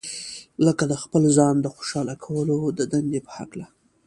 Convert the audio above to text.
لکه د خپل ځان د خوشاله کولو د دندې په هکله.